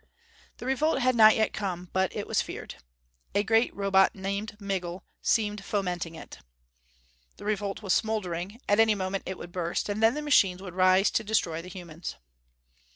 The revolt had not yet come, but it was feared. A great Robot named Migul seemed fomenting it. The revolt was smouldering; at any moment it would burst; and then the machines would rise to destroy the humans.